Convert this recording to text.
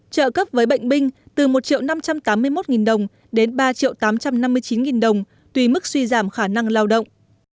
trợ cấp với bệnh binh từ một triệu năm trăm tám mươi một nghìn đồng đến ba triệu tám trăm năm mươi chín nghìn đồng tùy mức suy giảm khả năng lao động